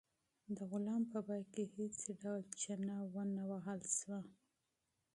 د غلام په قیمت کې هیڅ ډول چنه ونه وهل شوه.